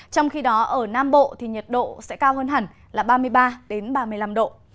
trong khi đó ở nam bộ thì nhiệt độ sẽ cao hơn hẳn là ba mươi ba ba mươi năm độ